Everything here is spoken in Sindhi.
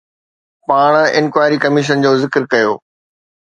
پاڻ انڪوائري ڪميشن جو ذڪر ڪيو.